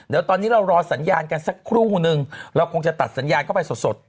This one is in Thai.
เดี๋ยวตอนนี้เรารอสัญญาณกันสักครู่นึงเราคงจะตัดสัญญาณเข้าไปสด